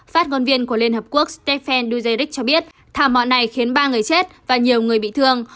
phát ngôn viên của liên hợp quốc stephen duzeric cho biết thảm họa này khiến ba người chết và nhiều người bị thương